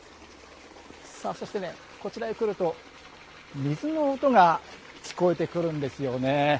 そして、こちらへ来ると水の音が聞こえてくるんですよね。